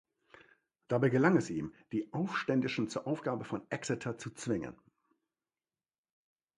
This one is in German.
Dabei gelang es ihm, die Aufständischen zur Aufgabe von Exeter zu zwingen.